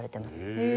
へえ。